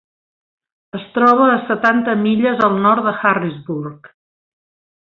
Es troba a setanta milles al nord d 'Harrisburg.